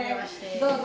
どうぞ。